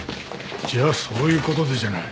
じゃあそういうことでじゃない。